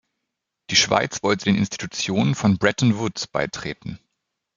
Die Schweiz wollte den Institutionen von Bretton Woods beitreten.